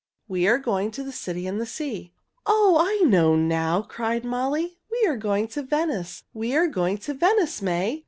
"We are going to the City in the Sea." "Oh, I know now!" cried Molly. "We are going to Venice! We are going to Venice, May!